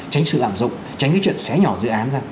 tránh sự lạm dụng tránh cái chuyện xé nhỏ dự án ra